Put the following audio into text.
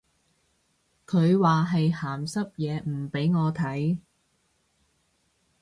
佢話係鹹濕嘢唔俾我睇